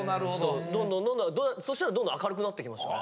どんどんそしたらどんどん明るくなっていきましたね。